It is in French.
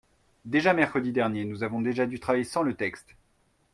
Déjà mercredi dernier, nous avons déjà dû travailler sans le texte.